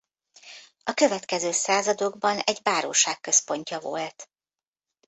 A következő századokban egy báróság központja volt.